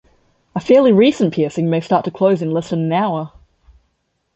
A fairly recent piercing may start to close in less than an hour.